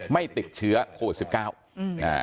ไม่ติดเชื้อโควิด๑๙